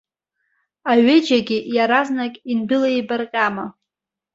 Аҩыџьагьы иаразнак индәылеибарҟьама?!